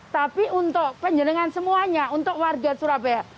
tapi untuk penjelengan semuanya untuk warga surabaya